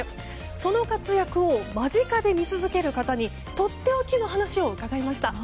その活躍を間近で見続ける方にとっておきの話を伺いました。